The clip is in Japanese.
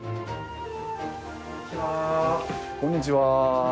こんにちは。